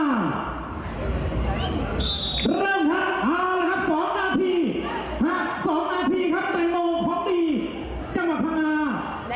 เริ่มครับ๒นาที๒นาทีครับแตงโมพร้อมดีกันมาพังงา